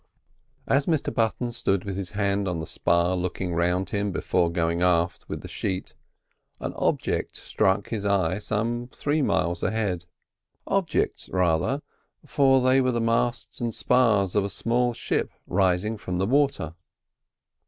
As Mr Button stood with his hand on the spar looking round him before going aft with the sheet, an object struck his eye some three miles ahead. Objects rather, for they were the masts and spars of a small ship rising from the water.